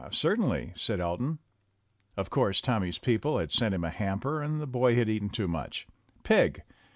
"Certainly," said Elton. Of course, Tommy's peo ple had sent him a hamper, and the boy had eaten too much. Pig